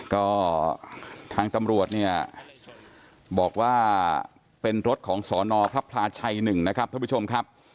ก็ทางตำรวจเนี่ยบอกว่าเป็นรถของสนพระพลาชัย๑นะครับท่านผู้ชมครับ